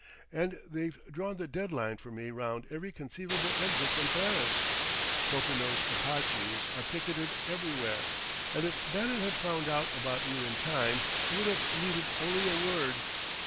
"And they've drawn the dead line for me round every conceivable exit from Paris: Popinot's Apaches are picketed everywhere. And if Bannon had found out about you in time, it would have needed only a word..."